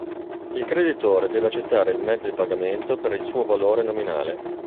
Il creditore deve accettare il mezzo di pagamento per il suo valore nominale.